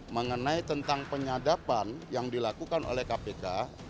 mengenai tentang penyadapan yang dilakukan oleh kpk